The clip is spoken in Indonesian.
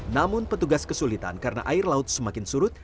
namun petugas kesulitan karena air laut semakin surut